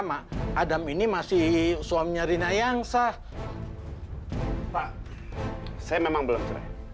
pak saya memang belum cerai